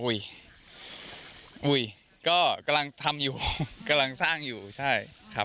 อุ้ยอุ้ยก็กำลังทำอยู่กำลังสร้างอยู่ใช่ครับ